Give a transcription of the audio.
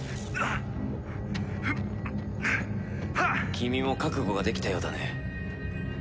君も覚悟ができたようだね。